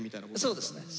そうですね